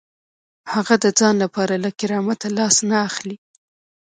هغه د ځان لپاره له کرامت لاس نه اخلي.